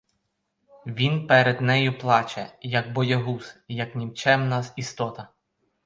Він перед нею плаче, як боягуз, як нікчемна істота.